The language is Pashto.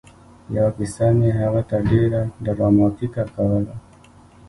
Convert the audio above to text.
یوه کیسه مې هغه ته ډېره ډراماتيکه کوله